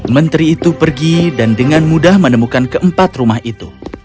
menteri itu pergi dan dengan mudah menemukan keempat rumah itu